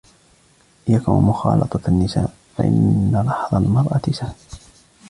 إيَّاكَ وَمُخَالَطَةَ النِّسَاءِ فَإِنَّ لَحْظَ الْمَرْأَةِ سَهْمٌ